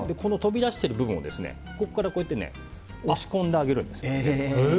飛び出してる部分をここからこうやって押し込んであげるんです。